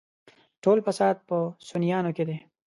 ټول فساد په سنيانو کې دی.